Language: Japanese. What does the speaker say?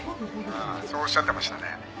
「ああそうおっしゃってましたね」